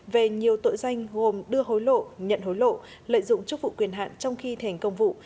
về nhiều tội danh gồm đưa hối lộ nhận hối lộ lợi dụng chức vụ quyền hạn trong khi thành công vụ